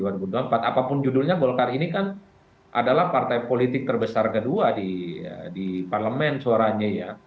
apapun judulnya golkar ini kan adalah partai politik terbesar kedua di parlemen suaranya ya